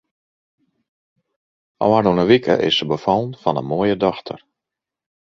Ofrûne wike is se befallen fan in moaie dochter.